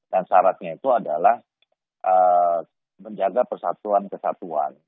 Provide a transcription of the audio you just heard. dan syaratnya itu adalah menjaga persatuan kesatuan